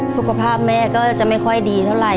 สุขภาพแม่ก็จะไม่ค่อยดีเท่าไหร